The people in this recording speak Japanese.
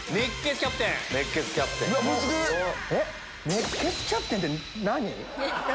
熱血キャプテンって何？